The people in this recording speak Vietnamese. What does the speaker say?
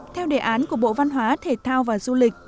theo đề án của bộ văn hóa thể thao và du lịch